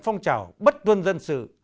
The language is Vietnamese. phong trào bất tuân dân sự